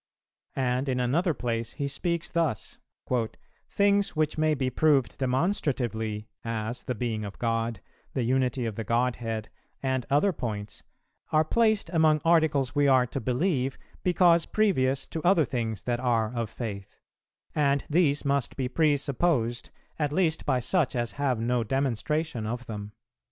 And in another place he speaks thus: 'Things which may be proved demonstratively, as the Being of God, the Unity of the Godhead, and other points, are placed among articles we are to believe, because previous to other things that are of Faith; and these must be presupposed, at least by such as have no demonstration of them.'